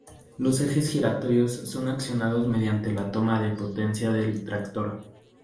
Los ejes giratorios son accionados mediante la toma de potencia del tractor.